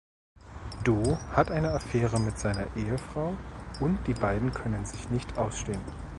Do hat eine Affäre mit seiner Ehefrau und die beiden können sich nicht ausstehen.